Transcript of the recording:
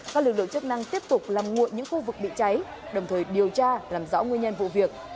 các lực lượng chức năng tiếp tục làm nguội những khu vực bị cháy đồng thời điều tra làm rõ nguyên nhân vụ việc